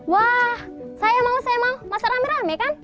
wah saya mau saya mau masak rame rame kan